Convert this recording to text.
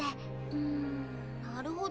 うんなるほど。